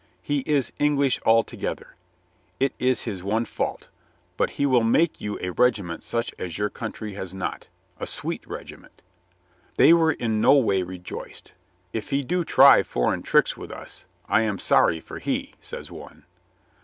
"He is English altogether. It is his one fault. But he will make you a regiment such as your coun try has not. A sweet regiment." They were in no way rejoiced. "If he do try for eign tricks with us, I am sorry for he," says one.